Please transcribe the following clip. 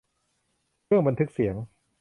เครื่องบันทึกเสียง